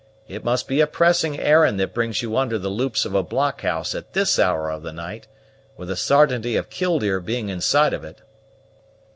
It must be a pressing errand that brings you under the loops of a blockhouse at this hour of the night, with the sartainty of Killdeer being inside of it."